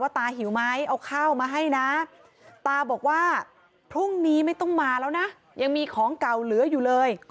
ตาบอกว่าพรุ่งนี้ไม่ต้องมาแล้วนะยังมีของเก่าเหลืออยู่เลย